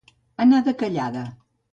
Anar de callada.